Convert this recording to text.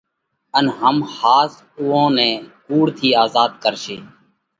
ان هم ۿاس اُوئون نئہ ڪُوڙ ٿِي آزاڌ ڪرشي۔